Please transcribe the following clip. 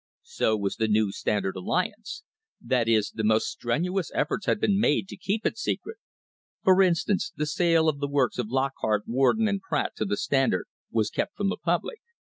So was the new Standard alliance; that is, the most strenuous efforts had been made to keep it secret; for instance, the sale of the works of Lockhart, Warden and Pratt to the Standard was kept from the public.